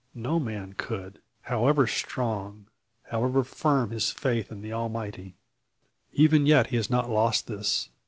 No man could, however strong, however firm his faith in the Almighty. Even yet he has not lost this.